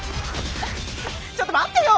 ちょっと待ってよ！